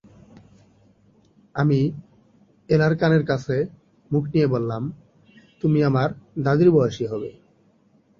আমি এলার কানের কাছে মুখ নিয়ে বললাম, তুমি আমার দাদির বয়সী হবে।